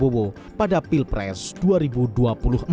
terkait mengenai dukungan kepada pak prabowo pada pilpres dua ribu dua puluh empat